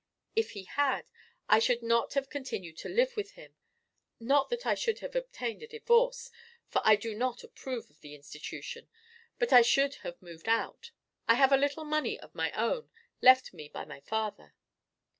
If he had, I should not have continued to live with him not that I should have obtained a divorce, for I do not approve of the institution; but I should have moved out. I have a little money of my own, left me by my father."